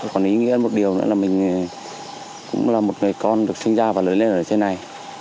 còn ý nghĩa một điều nữa là mình cũng là một người con được sinh ra và lớn lên ở trên này